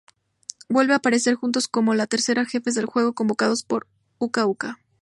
Vuelven a aparecer juntos como los terceros jefes del juego, convocados por Uka-Uka.